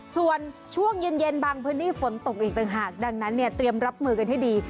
ส่วนช่วงเย็นบางพื้นที่ฝนตกอีกต่างหากดังนั้นเนี่ยเตรียมรับมือกันให้ดี